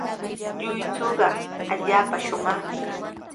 Lluychuqa allaapa shumaqmi.